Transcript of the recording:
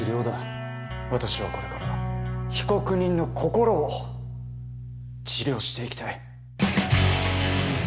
私はこれから被告人の心を治療していきたい。